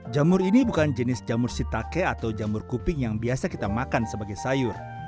jamur ini bukan jenis jamur sitake atau jamur kuping yang biasa kita makan sebagai sayur